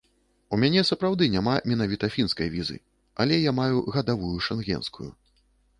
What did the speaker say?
У мяне сапраўды няма менавіта фінскай візы, але я маю гадавую шэнгенскую.